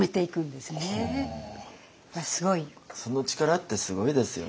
その力ってすごいですよね。